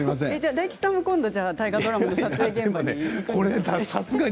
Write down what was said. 大吉さんも今度、大河ドラマの撮影現場に。